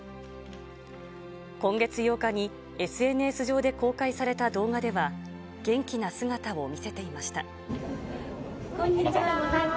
今月８日にＳＮＳ上で公開された動画では、元気な姿を見せていまこんにちは。